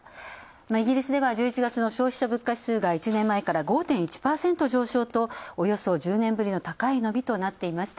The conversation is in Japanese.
イギリスでは１１月の消費者物価指数が１年前から５．１％上昇とおよそ１０年ぶりの高い伸びとなっていました。